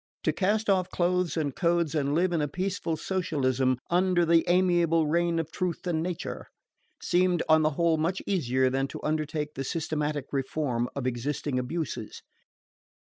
To cast off clothes and codes, and live in a peaceful socialism "under the amiable reign of Truth and Nature," seemed on the whole much easier than to undertake the systematic reform of existing abuses.